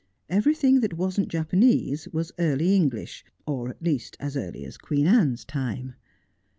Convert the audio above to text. Everything that wasn't Japanese was early English, or at least as early as Queen Anne's time.